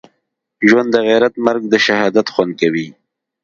ژوند دغیرت مرګ دښهادت خوند کوی